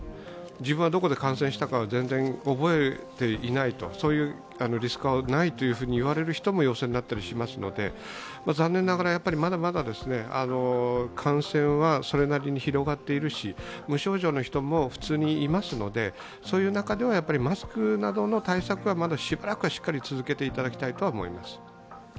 自分はどこで感染したか全然覚えていない、そういうリスクはないと言われる人も陽性になったりしますので残念ながらやっぱりまだまだ感染はそれなりに広がっているし無症状の人も普通にいますのでそういう中ではマスクなどの対策はまだしばらくは続けていただきたいと思います。